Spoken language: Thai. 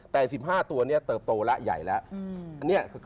แต่๑๕ตัวนี้เติบโตแล้วใหญ่แล้ว